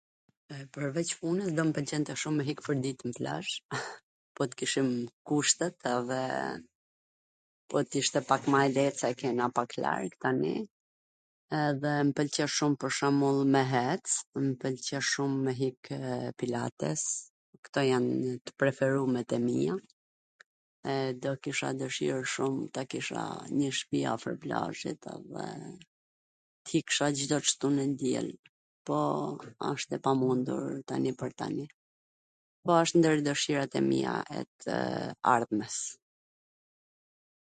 E pwrveC punws do m pwlqente me hik pwrdit nw plazh, po t kishim kushtet edhe po t ishte pak ma e leet se e kena pak larg tani, edhe m pwlqe shum pwr shwmbull me hec, mw pwlqe shum me hikw pilates, kto jan t preferumet e mia, do t kisha dwshir shum ta kisha njw shpi afwr plazhit, dhe t iksha Cdo t shtun e t diel, po asht e pamundur tani pwr tani, po asht ndwr dwshirat e mia tw tw ardhmes,